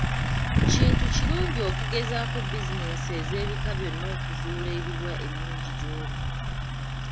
Kintu kirungi okugezaako bizinensi ez'ebika byonna okuzuula eriwa ennungi gy'oli.